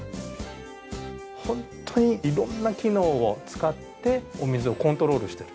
ホントに色んな機能を使ってお水をコントロールしてる。